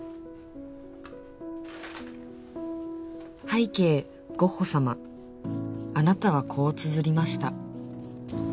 拝啓ゴッホ様あなたはこうつづりました